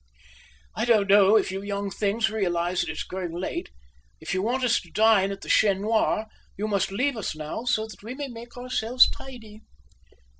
"I don't know if you young things realise that it's growing late. If you want us to dine at the Chien Noir, you must leave us now, so that we can make ourselves tidy."